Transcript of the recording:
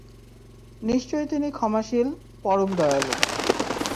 নিশ্চয় তিনি ক্ষমাশীল, পরম দয়ালু।